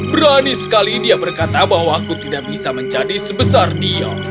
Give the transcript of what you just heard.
berani sekali dia berkata bahwa aku tidak bisa menjadi sebesar dia